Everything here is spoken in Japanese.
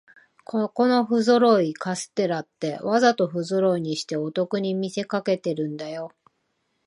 ここのふぞろいカステラって、わざとふぞろいにしてお得に見せかけてるんだよ